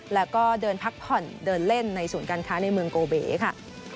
แล้วก็เดินพักผ่อนเดินเล่นในศูนย์การค้าในเมืองโกเบค่ะ